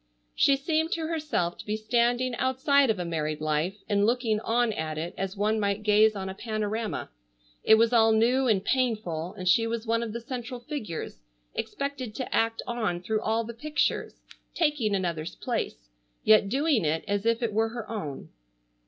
She seemed to herself to be standing outside of a married life and looking on at it as one might gaze on a panorama. It was all new and painful, and she was one of the central figures expected to act on through all the pictures, taking another's place, yet doing it as if it were her own.